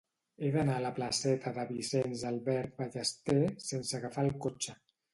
He d'anar a la placeta de Vicenç Albert Ballester sense agafar el cotxe.